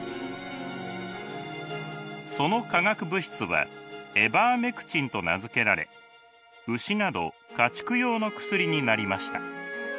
その化学物質はエバーメクチンと名付けられ牛など家畜用の薬になりました。